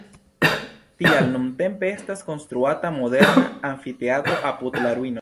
Tial nuntempe estas konstruata moderna amfiteatro apud la ruinoj.